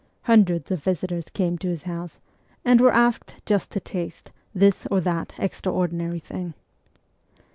Hundreds of visitors came to his house, and were asked ' just to taste ' this or that extraordinary thing.